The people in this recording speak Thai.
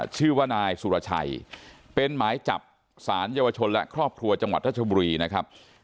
ชื่อว่านายสุรชัยเป็นหมายจับสารเยาวชนและครอบครัวจังหวัดทัชบุรีนะครับ